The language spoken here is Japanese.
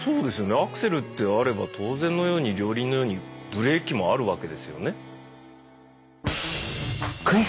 アクセルってあれば当然のように両輪のようにブレーキもあるわけですよね？